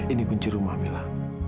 ini kunci rumah mila